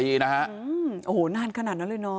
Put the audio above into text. อืมโอ้โหนานขนาดนั้นเลยน้อง